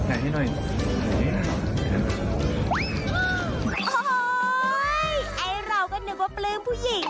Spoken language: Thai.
โอ้โหไอ้เราก็นึกว่าปลื้มผู้หญิง